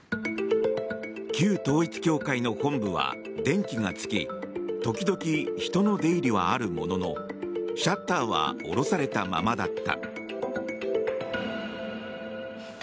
旧統一教会の本部は電気がつき時々、人の出入りはあるもののシャッターは下ろされたままだった。